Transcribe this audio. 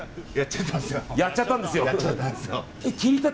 やっちゃったんですよ。